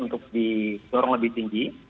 untuk disorong lebih tinggi